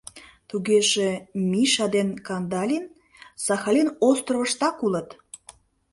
Тугеже Миша ден Кандалин Сахалин островыштак улыт.